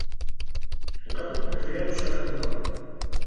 Gatu porfiáu saca bocáu.